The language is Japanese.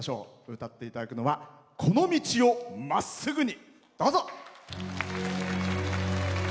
歌っていただくのは「この道を真っすぐに」。